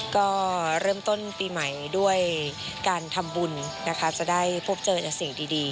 ก็เริ่มต้นปีใหม่ด้วยการทำบุญนะคะจะได้พบเจอแต่สิ่งดี